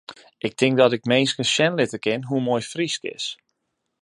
Ik tink dat ik minsken sjen litte kin hoe moai Frysk is.